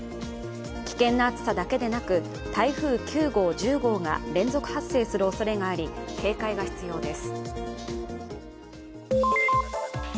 危険な暑さだけでなく、台風９号・１０号が連続発生するおそれがあり、警戒が必要です。